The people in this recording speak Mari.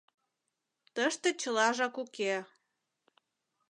— Тыште чылажак уке...